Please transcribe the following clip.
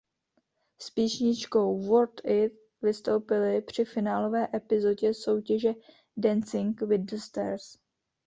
S písničkou "Worth It" vystoupily při finálové epizodě soutěže "Dancing with the Stars".